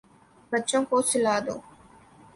بچوں کو سلا دو